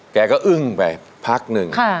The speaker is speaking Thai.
แกก็อึ้งไปพักหนึ่ง